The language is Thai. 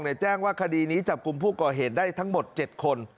แจ้งว่าคดีนี้จับกลุ่มผู้ก่อเหตุได้ทั้งหมด๗คน